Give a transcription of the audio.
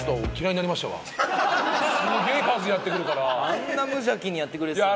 あんな無邪気にやってくれてたのに？